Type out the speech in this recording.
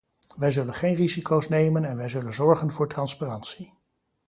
Wij zullen geen risico's nemen en wij zullen zorgen voor transparantie.